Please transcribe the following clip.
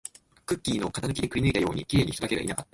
クッキーの型抜きでくりぬいたように、綺麗に人だけがいなかった